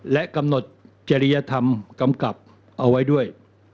และกำหนดจริยธรรมกำกับเอาไว้ด้วย